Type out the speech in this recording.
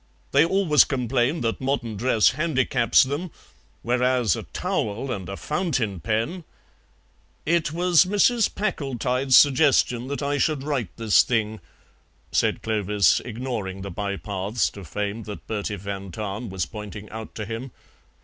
They always complain that modern dress handicaps them, whereas a towel and a fountain pen " "It was Mrs. Packletide's suggestion that I should write this thing," said Clovis, ignoring the bypaths to fame that Bertie van Tahn was pointing out to him.